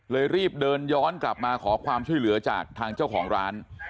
รีบเดินย้อนกลับมาขอความช่วยเหลือจากทางเจ้าของร้าน